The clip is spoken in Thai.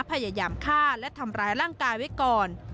พยายามฆ่าและทำร้ายร่างกายไว้ก่อน